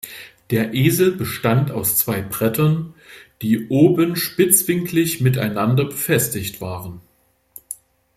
Der Esel bestand aus zwei Brettern, die oben spitzwinklig miteinander befestigt waren.